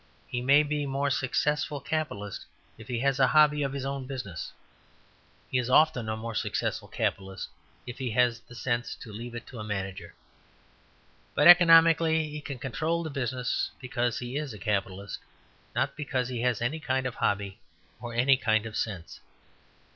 He may be a more successful capitalist if he has a hobby of his own business; he is often a more successful capitalist if he has the sense to leave it to a manager; but economically he can control the business because he is a capitalist, not because he has any kind of hobby or any kind of sense.